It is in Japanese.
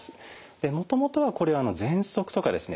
もともとはこれはぜんそくとかですね